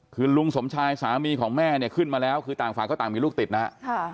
คือลุงสมชายสามีของแม่เนี่ยขึ้นมาแล้วคือต่างฝ่ายก็ต่างมีลูกติดนะฮะ